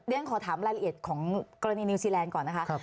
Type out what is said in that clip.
เรียนขอถามรายละเอียดของกรณีนิวซีแลนด์ก่อนนะคะ